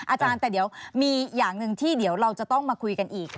อาจารย์แต่เดี๋ยวมีอย่างหนึ่งที่เดี๋ยวเราจะต้องมาคุยกันอีก